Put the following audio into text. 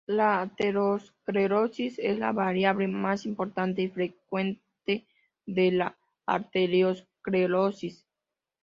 La aterosclerosis es la variante más importante y frecuente de la arteriosclerosis.